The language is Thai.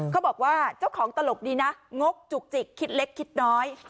เขาบอกว่าเจ้าของตลกดีนะงกจุกจิกคิดเล็กคิดน้อย